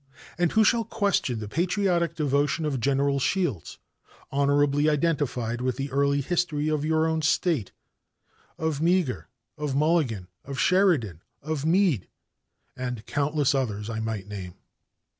And who shall question the patriotic devotion of General Shields, honorably identified with the early history of your own State; of Meagher, of Mulligan, of Sheridan, of Meade and countless others I might name.